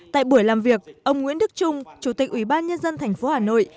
tại buổi làm việc ông nguyễn đức trung chủ tịch ủy ban nhân dân tp hà nội